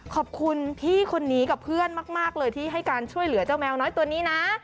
ขอบคุณพี่คนนี้กับเพื่อนมากเลยที่ให้การช่วยเหลือเจ้าแมวน้อยตัวนี้นะ